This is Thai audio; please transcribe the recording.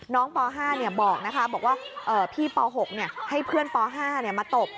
น้องป๕บอกว่าพี่ป๖ให้เพื่อนป๕มาตบ